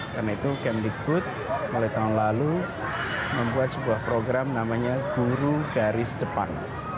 karena itu kemdikbud mulai tahun lalu membuat sebuah program namanya guru garis depan